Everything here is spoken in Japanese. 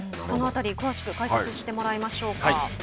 その辺り、詳しく解説してもらいましょうか。